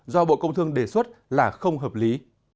do bộ công thương đề xuất là không hợp lý